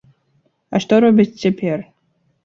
А што робяць цяпер?